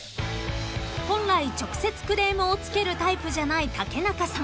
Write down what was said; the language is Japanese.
［本来直接クレームをつけるタイプじゃない竹中さん］